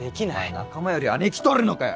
仲間より姉貴取るのかよ！